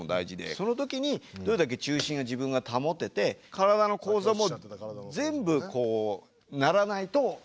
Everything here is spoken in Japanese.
その時にどれだけ重心が自分が保てて体の構造も全部こうならないといけないですよね？